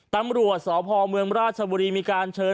ตำรวจสพเมืองราชบุรีมีการเชิญ